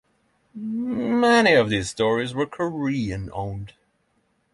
Many of these stores were Korean owned.